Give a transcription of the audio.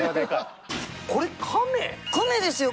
カメですよ